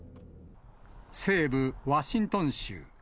西部ワシントン州。